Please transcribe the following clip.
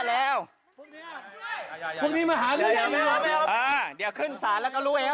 ให้พี่ใช่พาแล้ว